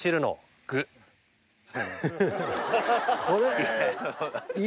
これ。